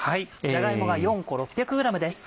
じゃが芋が４個６００ｇです。